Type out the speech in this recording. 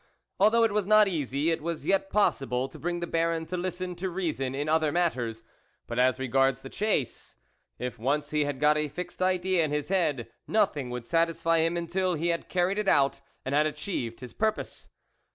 Although it was rot oasy, it was yet possible to bring tae Baron to listen to reason in other matters ; but as regards the chase, if once he had got a fixed idea in his head, nothing would satisfy him until he had carried it out and had achieved his purpose.